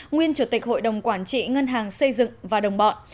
nguyên chủ tịch hội đồng quản trị ngân hàng xây dựng và đồng bọn